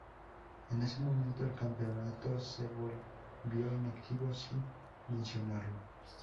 En ese momento el campeonato se volvió inactivo, sin mencionarlo.